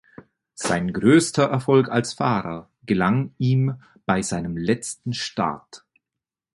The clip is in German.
Sein größter Erfolg als Fahrer gelang ihm bei seinem letzten Start.